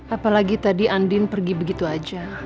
apalagi tadi andin pergi begitu aja